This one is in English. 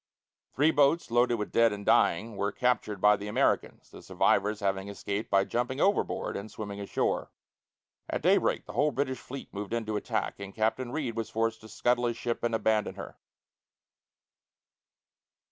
Three boats, loaded with dead and dying, were captured by the Americans, the survivors having escaped by jumping overboard and swimming ashore. At daybreak the whole British fleet moved in to attack, and Captain Reid was forced to scuttle his ship and abandon her.